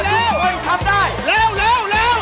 เร็วจะทำลายเร็ว